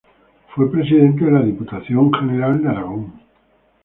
Fue presidente de la Diputación General de Aragón.